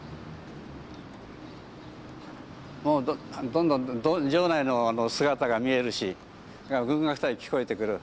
もうどんどん場内の姿が見えるし軍楽隊聞こえてくる。